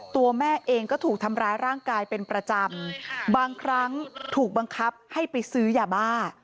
ตัวแม่เองก็ถูกทำร้ายร่างกายเป็นประจำบางครั้งถูกบังคับให้ไปซื้อยาบ้า